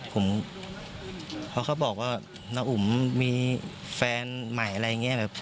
เพราะเขาบอกว่าน้าอุ๋มมีแฟนใหม่อะไรอย่างนี้